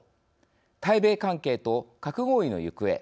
対米関係と「核合意」の行方。